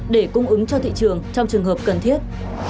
để cung ứng cho thị trường trong trường hợp cần thiết